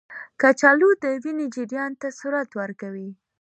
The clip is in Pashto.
کچالو د وینې جریان ته سرعت ورکوي.